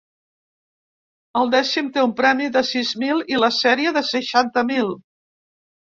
El dècim té un premi de sis mil i la sèrie de seixanta mil.